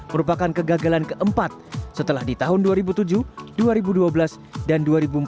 merupakan kegagalan keempat setelah di tahun dua ribu tujuh dua ribu dua belas dan dua ribu empat belas